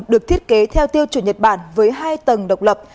được thiết kế theo tiêu chuẩn nhật bản với hai tầng độc lập